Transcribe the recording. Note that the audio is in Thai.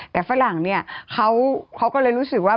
แต่ฝรั่งเนี่ยเขาก็เลยรู้สึกว่า